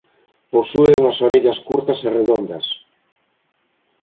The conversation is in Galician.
Posúe unhas orellas curtas e redondas.